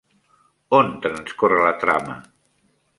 On transcorre la trama?